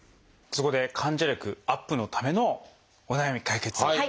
そこで患者力アップのためのお悩み解決